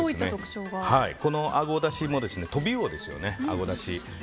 このアゴだしもトビウオですね、アゴだし。